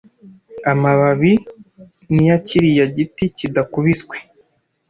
Amababi ni ya kiriya giti-kidakubiswe